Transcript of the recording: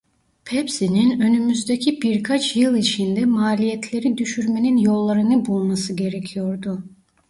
Pepsi'nin önümüzdeki birkaç yıl içinde maliyetleri düşürmenin yollarını bulması gerekiyordu.